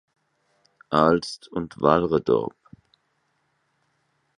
Aalst und Waalre-dorp.